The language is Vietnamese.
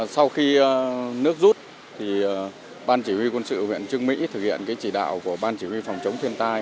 sau khi nước rút ban chỉ huy quân sự huyện trương mỹ thực hiện chỉ đạo của ban chỉ huy phòng chống thiên tai